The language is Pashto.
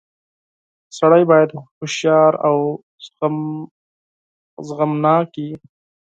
• سړی باید هوښیار او زغمناک وي.